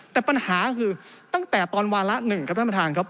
แต่ปัญหาคือตั้งแต่ตอนวาระหนึ่งครับท่านประธานครับ